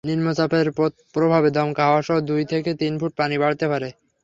নিম্নচাপের প্রভাবে দমকা হাওয়াসহ দুই থেকে তিন ফুট পানি বাড়তে পারে।